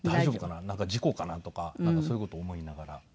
なんか事故かな？とかそういう事を思いながら。